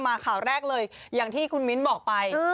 ข่าวแรกเลยอย่างที่คุณมิ้นบอกไป